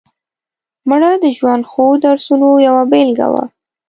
مړه د ژوند ښو درسونو یوه بېلګه وه